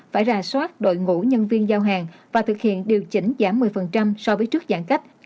phải ra soát đội ngũ nhân viên giao hàng và thực hiện điều chỉnh giảm một mươi so với trước giãn cách